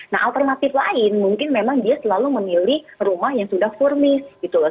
nah alternatif lain mungkin memang dia selalu memilih rumah yang sudah furmis gitu loh